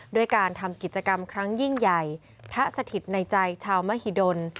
ด้วยการทำกิจกรรมครั้งยิ่งใหญ่ทะสถิตในใจชาวมหิดล